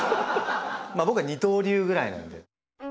僕は二刀流ぐらいなんで。